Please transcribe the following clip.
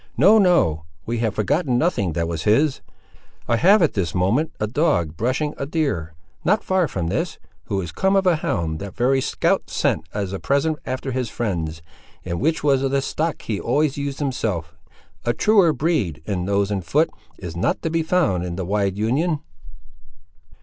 "No, no, we have forgotten nothing that was his. I have at this moment a dog brushing a deer, not far from this, who is come of a hound that very scout sent as a present after his friends, and which was of the stock he always used himself: a truer breed, in nose and foot, is not to be found in the wide Union."